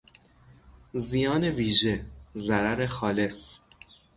زیان ویژه، ضرر خالص